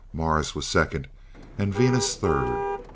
Mars was second, and Venus third.